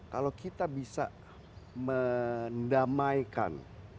kalau kita bisa mendamaikan